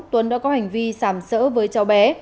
tuấn đã có hành vi sàm sỡ với cháu bé